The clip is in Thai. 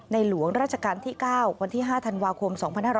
หลวงราชการที่๙วันที่๕ธันวาคม๒๕๖๐